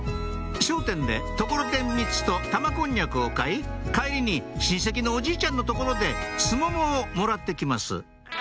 商店でところてん３つと玉こんにゃくを買い帰りに親戚のおじいちゃんの所でスモモをもらってきます